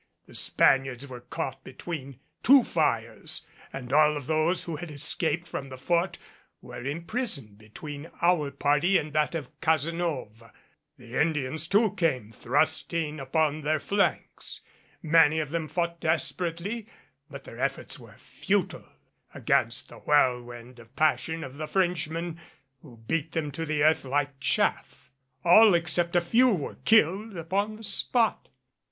The Spaniards were caught between two fires and all of those who had escaped from the Fort were imprisoned between our party and that of Cazenove. The Indians too came thrusting upon their flanks. Many of them fought desperately, but their efforts were futile against the whirlwind of passion of the Frenchmen who beat them to the earth like chaff. All except a few were killed upon the spot.